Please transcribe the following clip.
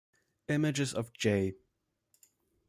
Images of J.